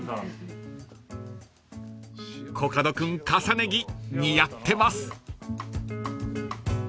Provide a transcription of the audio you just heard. ［コカド君重ね着似合ってます］